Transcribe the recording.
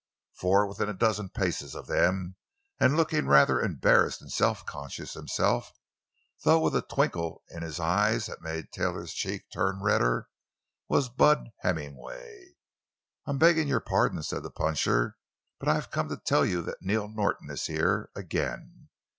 For within a dozen paces of them, and looking rather embarrassed and self conscious, himself, though with a twinkle in his eyes that made Taylor's cheeks turn redder—was Bud Hemmingway. "I'm beggin' your pardon," said the puncher; "but I've come to tell you that Neil Norton is here—again.